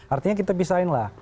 artinya kita pisahkanlah